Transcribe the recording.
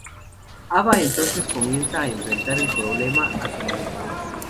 Ava entonces comienza a enfrentar el problema a su manera.